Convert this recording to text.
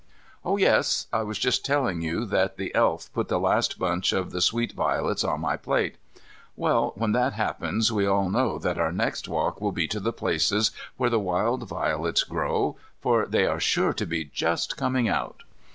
Oh, yes, I was just telling you that the Elf put the last bunch of the sweet violets on my plate. Well, when that happens we all know that our next walk will be to the places where the wild violets grow for they are sure to be just coming out.